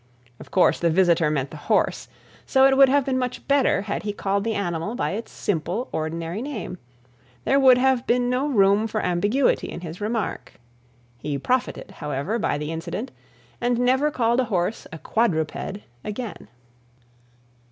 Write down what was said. Of course the visitor meant the horse, so it would have been much better had he called the animal by its simple; ordinary name , there would have been no room for ambiguity in his remark. He profited, however, by the incident, and never called a horse a quadruped again.